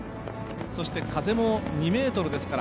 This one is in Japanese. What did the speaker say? そして風も２メートルですから。